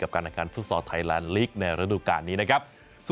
กับการอาการฟุตสอลไทยลานด์ลีกในระดูการนี้นะครับ